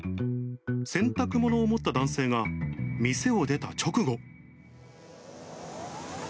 洗濯物を持った男性が店を出た直後。